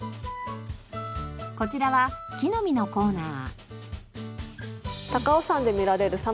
こちらは木の実のコーナー。